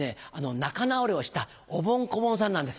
仲直りをしたおぼん・こぼんさんなんです。